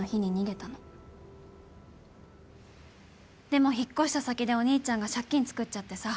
でも引っ越した先でお兄ちゃんが借金つくっちゃってさ。